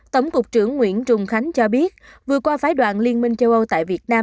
tổng cục trưởng nguyễn trùng khánh cho biết vừa qua phái đoàn liên minh châu âu tại việt nam